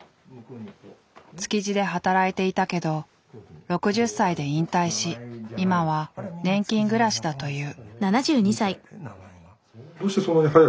築地で働いていたけど６０歳で引退し今は年金暮らしだという。